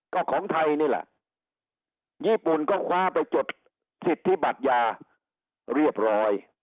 ก็ของไทยนี่แหละญี่ปุ่นก็คว้าไปจดสิทธิบัตรยาเรียบร้อย